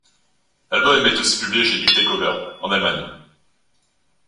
L'album est aussi publié chez Big Takeover en Allemagne.